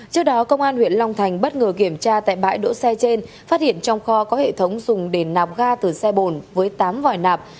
trước đó công an huyện long thành bất ngờ kiểm tra tại bãi đỗ xe trên phát hiện trong kho có hệ thống dùng để nạp ga từ xe bồn với tám vòi nạp